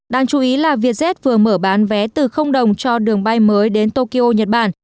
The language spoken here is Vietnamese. đáng chú ý là vietjet vừa mở bán vé từ đồng cho đường bay mới đến tokyo nhật bản